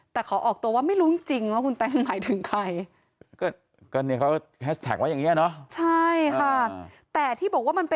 แต่ขอออกตัวว่าไม่รู้จริงว่าคุณแตงหมายถึงใคร